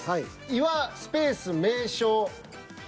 岩スペース名称。